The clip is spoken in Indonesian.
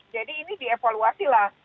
jadi ini dievaluasilah